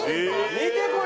見てこれ！